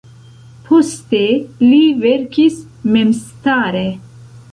Poste li verkis memstare.